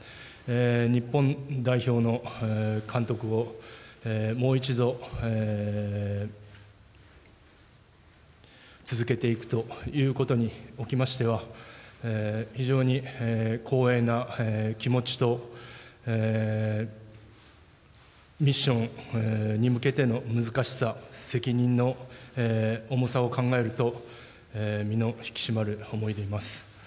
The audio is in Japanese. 日本代表の監督をもう一度、続けていくということにおきましては、非常に光栄な気持ちとミッションに向けての難しさ、責任の重さを考えると、身の引き締まる思いでいます。